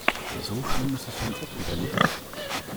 So schlimm ist es dann auch wieder nicht.